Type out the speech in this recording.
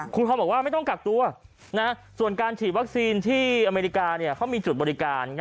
คุณทองบอกว่าไม่ต้องกักตัวส่วนการฉีดวัคซีนที่อเมริกาเขามีจุดบริการ